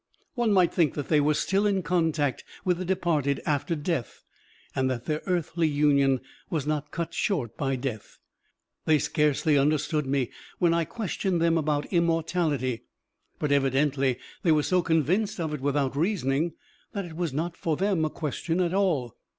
One might think that they were still in contact with the departed after death, and that their earthly union was not cut short by death. They scarcely understood me when I questioned them about immortality, but evidently they were so convinced of it without reasoning that it was not for them a question at all.